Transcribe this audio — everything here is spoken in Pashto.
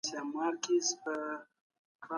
د حکومت چلند د فلسفې د اخلاقو له اړخه متفاوت وي.